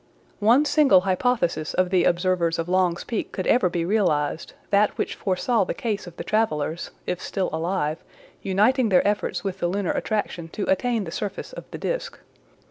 One single hypothesis of the observers of Long's Peak could ever be realized, that which foresaw the case of the travelers (if still alive) uniting their efforts with the lunar attraction to attain the surface of the disc.